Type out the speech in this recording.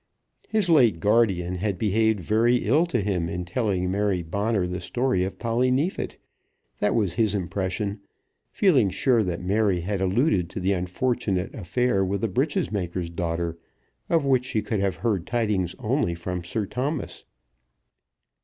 His late guardian had behaved very ill to him in telling Mary Bonner the story of Polly Neefit. That was his impression, feeling sure that Mary had alluded to the unfortunate affair with the breeches maker's daughter, of which she could have heard tidings only from Sir Thomas.